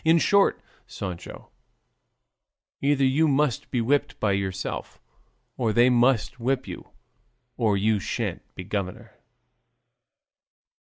In short, Sancho, either you must be whipped by yourself, or they must whip you, or you shan't be governor."